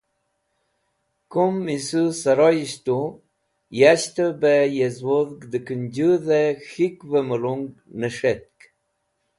Kum misũ sũroyisht tu, yashtev be yezwudh dẽ Kũnjũdh-e K̃hik’v-e mulung nẽs̃hetk.